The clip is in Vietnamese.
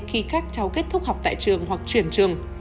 khi các cháu kết thúc học tại trường hoặc chuyển trường